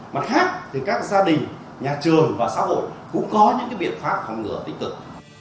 mặt khác thì các gia đình nhà trường và xã hội cũng có những biện pháp phòng ngừa tích cực